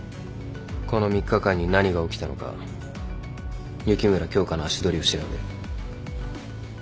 この３日間に何が起きたのか雪村京花の足取りを調べる。